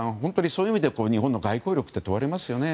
そういう意味で日本の外交力が問われますね。